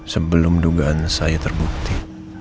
sebelum dugaan saya terbukti